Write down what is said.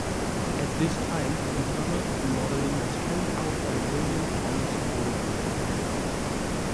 At this time, internal remodelling was carried out by William Thomas Oldrieve.